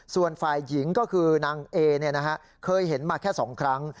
ส่วนฝ่ายหญิงก็คือนางเอเคยเห็นมาแค่๒ครั้ง